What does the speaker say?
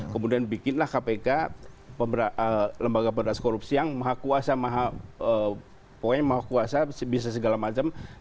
kemudian bikinlah kpk lembaga korupsi yang maha kuasa maha pokoknya maha kuasa bisa segala macam